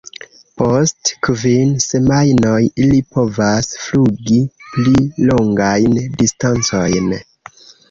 Post kvin semajnoj ili povas flugi pli longajn distancojn.